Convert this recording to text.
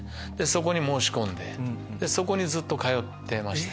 そこに申し込んでずっと通ってました。